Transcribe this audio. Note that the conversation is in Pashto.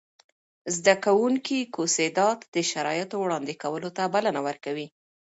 زده کوونکي کوسيدات د شرایطو وړاندې کولو ته بلنه ورکوي.